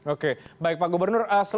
oke baik pak gubernur